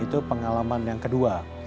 itu pengalaman yang kedua